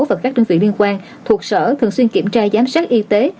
và các đơn vị liên quan thuộc sở thường xuyên kiểm tra giám sát y tế